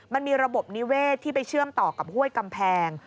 มันมีระบบนิเวศที่ไปเชื่อมต่อกับห้วยกำแพง